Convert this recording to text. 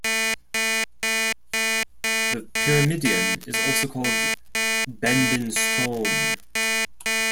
The pyramidion is also called 'Benben stone'.